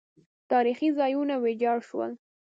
تاریخي ځایونه ویجاړ شول